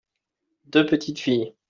deux petites filles.